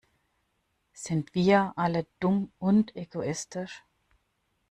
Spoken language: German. Sind wir alle dumm und egoistisch?